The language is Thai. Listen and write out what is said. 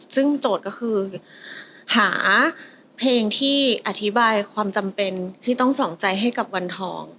ซึ่งโจทย์ก็คือหาเพลงที่อธิบายความจำเป็นที่ต้องส่องใจให้กับวันทอง